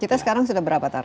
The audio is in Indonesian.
kita sekarang sudah berapa